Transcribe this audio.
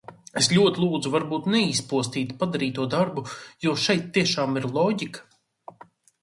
Es ļoti lūdzu varbūt neizpostīt padarīto darbu, jo šeit tiešām ir loģika.